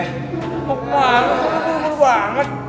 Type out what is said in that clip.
emang lu berubah banget